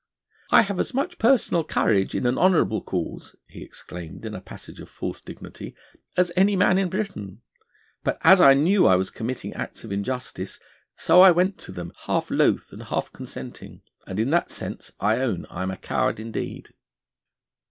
'I have as much personal courage in an honourable cause,' he exclaimed in a passage of false dignity, 'as any man in Britain; but as I knew I was committing acts of injustice, so I went to them half loth and half consenting; and in that sense I own I am a coward indeed.'